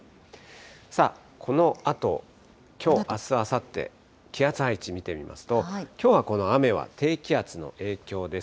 さあ、このあと、きょう、あす、あさって、気圧配置見てみますと、きょうはこの雨は低気圧の影響です。